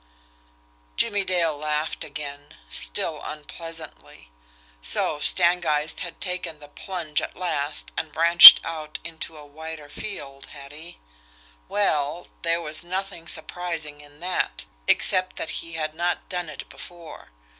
Jimmie Dale laughed again still unpleasantly. So Stangeist had taken the plunge at last and branched out into a wider field, had he? Well, there was nothing surprising in that except that he had not done it before!